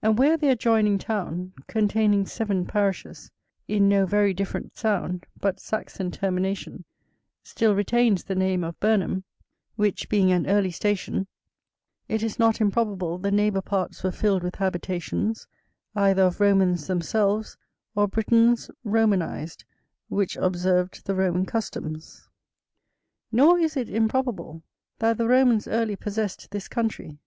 And where the adjoining town, containing seven parishes, in no very different sound, but Saxon termination, still retains the name of Burnham, which being an early station, it is not improbable the neighbour parts were filled with habitations, either of Romans themselves, or Britons Romanized, which observed the Roman customs. Nor is it improbable, that the Romans early possessed this country.